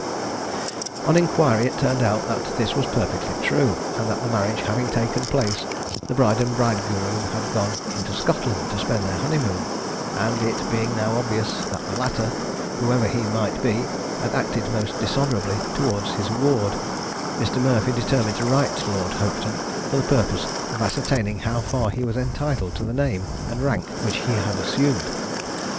On inquiry it turned out that this was perfectly true, and that the marriage having taken place, the bride and bridegroom had gone into Scotland to spend the honeymoon; and it being now obvious, that the latter, whoever he might be, had acted most dishonourably towards his ward, Mr. Murphy determined to write to Lord Hopetoun, for the purpose of ascertaining how far he was entitled to the name and rank which he had assumed.